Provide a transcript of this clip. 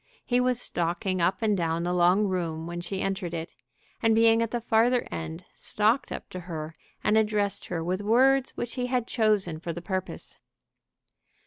He was stalking up and down the long room when she entered it, and being at the farther end, stalked up to her and addressed her with words which he had chosen for the purpose.